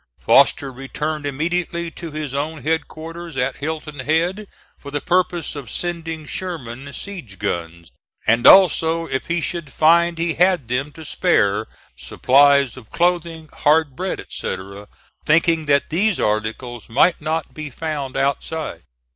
Foster returned immediately to his own headquarters at Hilton Head, for the purpose of sending Sherman siege guns, and also if he should find he had them to spare, supplies of clothing, hard bread, etc., thinking that these articles might not be found outside.